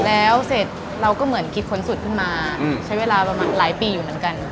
แล้วเสร็จเราก็เหมือนคิดค้นสุดขึ้นมาใช้เวลาประมาณหลายปีอยู่เหมือนกัน